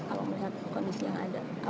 kalau melihat kondisi yang ada